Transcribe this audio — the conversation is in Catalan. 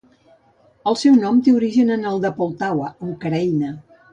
El seu nom té origen en el de Poltava, a Ucraïna.